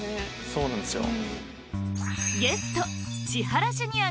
そうなんですよ。